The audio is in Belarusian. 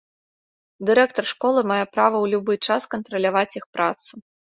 Дырэктар школы мае права ў любы час кантраляваць іх працу.